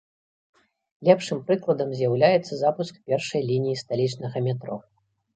Лепшым прыкладам з'яўляецца запуск першай лініі сталічнага метро.